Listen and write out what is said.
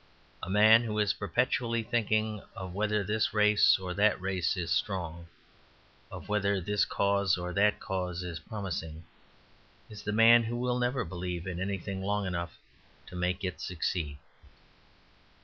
A man who is perpetually thinking of whether this race or that race is strong, of whether this cause or that cause is promising, is the man who will never believe in anything long enough to make it succeed.